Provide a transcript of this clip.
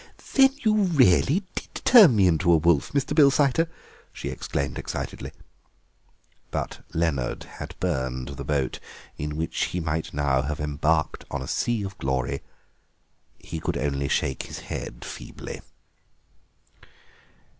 "Then you really did turn me into a wolf, Mr. Bilsiter?" she exclaimed excitedly. But Leonard had burned the boat in which he might now have embarked on a sea of glory. He could only shake his head feebly.